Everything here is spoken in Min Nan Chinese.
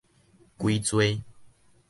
歸罪